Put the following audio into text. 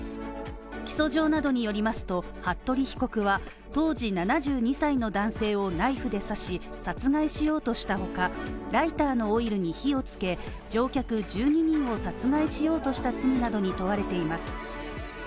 起訴状などによりますと、服部被告は当時７２歳の男性をナイフで刺し殺害しようとしたほか、ライターのオイルに火をつけ乗客１２人を殺害しようとした罪などに問われています。